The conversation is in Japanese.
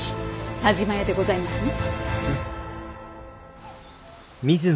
田嶋屋でございますね。